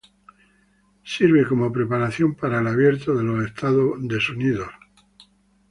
Sirve como preparación para el Abierto de Estados Unidos.